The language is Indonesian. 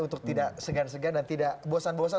untuk tidak segan segan dan tidak bosan bosan